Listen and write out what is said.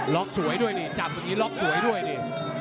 ล็อกสวยด้วยดิจับตัวนี้ล็อกสวยด้วยดิ